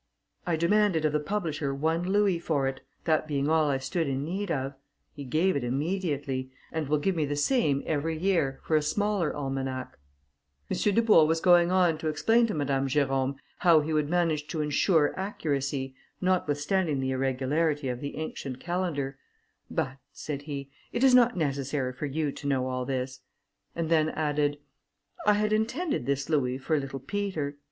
I demanded of the publisher one louis for it, that being all I stood in need of. He gave it immediately, and will give me the same every year, for a similar almanac." M. Dubourg was going on to explain to Madame Jerôme how he would manage to insure accuracy, notwithstanding the irregularity of the ancient calendar; "but," said he, "it is not necessary for you to know all this:" and then added, "I had intended this louis for little Peter.